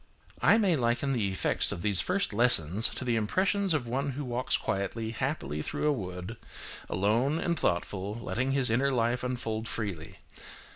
I may liken the effects of these first lessons to the impressions of one who walks quietly, happily, through a wood, alone, and thoughtful, letting his inner life unfold freely.